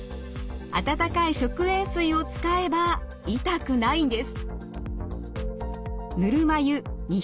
温かい食塩水を使えば痛くないんです。